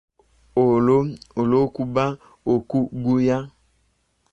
Okwo kuba okuguya.